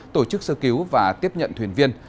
tổ chức sơ cứu và tiếp nhận thuyền viên